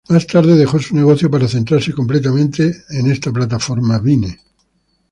Más tarde dejó su negocio para centrarse completamente a esta plataforma, Vine.